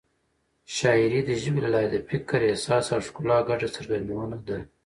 شاعري د ژبې له لارې د فکر، احساس او ښکلا ګډه څرګندونه ده.